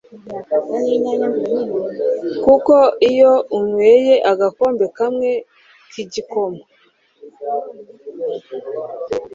kuko iyo unyweye agakombe kamwe k'igikoma